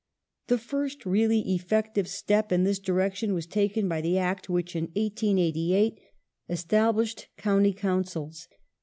The fii st really effective step in this direction was taken by the The Act which in 1888 established County Councils.